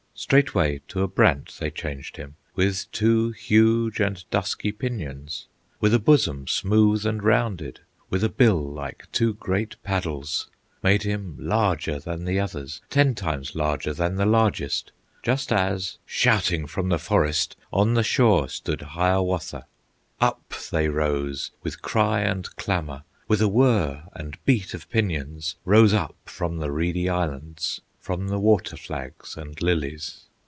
Straightway to a brant they changed him, With two huge and dusky pinions, With a bosom smooth and rounded, With a bill like two great paddles, Made him larger than the others, Ten times larger than the largest, Just as, shouting from the forest, On the shore stood Hiawatha. Up they rose with cry and clamor, With a whir and beat of pinions, Rose up from the reedy Islands, From the water flags and lilies.